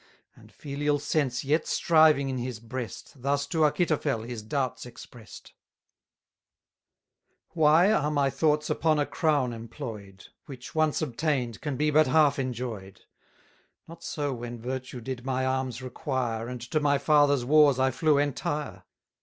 And, filial sense yet striving in his breast, Thus to Achitophel his doubts express'd: Why are my thoughts upon a crown employ'd. Which, once obtain'd, can be but half enjoy'd? Not so when virtue did my arms require, And to my father's wars I flew entire.